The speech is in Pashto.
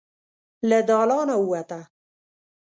له دالانه ووته.